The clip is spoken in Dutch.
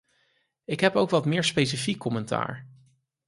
Ik heb ook wat meer specifiek commentaar.